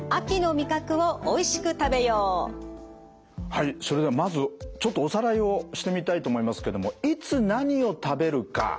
はいそれではまずちょっとおさらいをしてみたいと思いますけどもいつ何を食べるか。